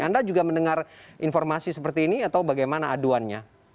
anda juga mendengar informasi seperti ini atau bagaimana aduannya